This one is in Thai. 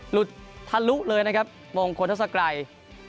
หลุดทะลุเลยนะครับโมงโคทัลสไกร